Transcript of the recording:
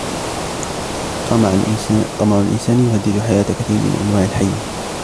طمع الإنسان يهدد حياة كثير من الأنواع الحية.